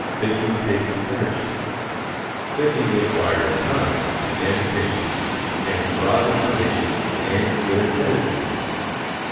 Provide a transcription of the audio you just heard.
Thinking takes energy. Thinking requires time, and patience, and broad information, and clearheadedness.